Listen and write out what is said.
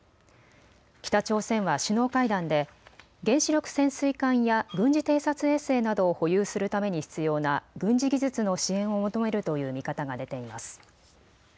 北朝鮮は首脳会談で原子力潜水艦や軍事偵察衛星などを保有するために必要な軍事技術の支援を求めるという見方が出ています。